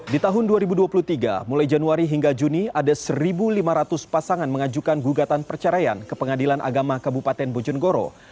di tahun dua ribu dua puluh tiga mulai januari hingga juni ada satu lima ratus pasangan mengajukan gugatan perceraian ke pengadilan agama kabupaten bojonegoro